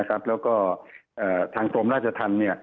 แล้วก็ทางกรมราชธรรม